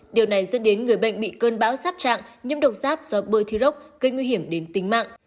điều này dẫn đến người bệnh bị cơn bão giáp trạng nhiễm độc giáp do bơ thi rốc gây nguy hiểm đến tính mạng